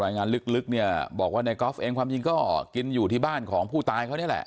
งานลึกเนี่ยบอกว่าในกอล์ฟเองความจริงก็กินอยู่ที่บ้านของผู้ตายเขานี่แหละ